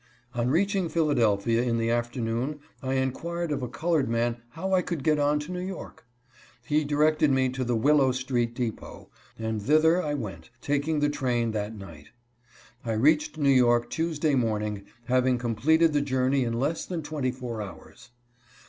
On reach ing Philadelphia in the afternoon I inquired of a colored man how I could get on to New York ? He directed me to the Willow street depot, and thither I went, taking the train that night. I reached New York Tuesday morning, having completed the journey in less than twenty four hours.